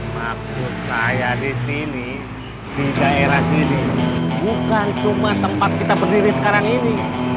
maksud saya di sini di daerah sini bukan cuma tempat kita berdiri sekarang ini